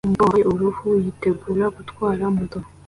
Umugabo wambaye uruhu yitegura gutwara moto